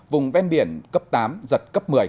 vùng ven biển cấp tám giật cấp một mươi